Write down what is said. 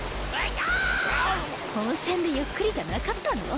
温泉でゆっくりじゃなかったの？